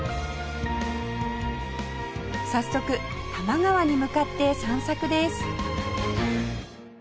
早速多摩川に向かって散策です